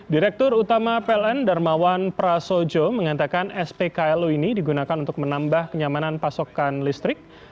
direktur utama pln darmawan prasojo mengatakan spklu ini digunakan untuk menambah kenyamanan pasokan listrik